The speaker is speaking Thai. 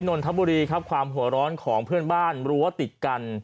นนทบุรีครับความหัวร้อนของเพื่อนบ้านรั้วติดกัน